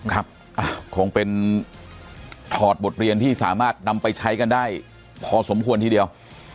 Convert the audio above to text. ครับคงเป็นถอดบทเรียนที่สามารถนำไปใช้กันได้พอสมควรทีเดียว